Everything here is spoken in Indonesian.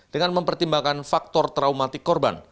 dengan mempertimbangkan faktor traumatik korban